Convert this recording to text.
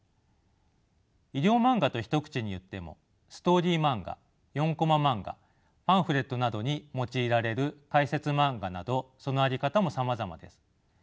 医療マンガと一口に言ってもストーリーマンガ四コママンガパンフレットなどに用いられる解説マンガなどその在り方もさまざまです。